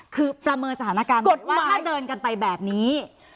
คือประเมินสถานการณ์ปรากฏว่าถ้าเดินกันไปแบบนี้